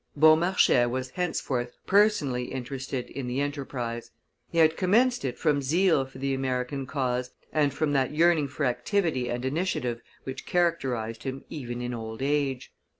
Beaumarchais was henceforth personally interested in the enterprise; he had commenced it from zeal for the American cause, and from that yearning for activity and initiative which characterized him even in old age.